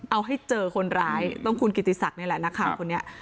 เอาให้เจอคนร้ายต้องคุณกิติศักดิ์นี่แหละนักข่าวคนนี้